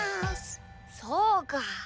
そうか。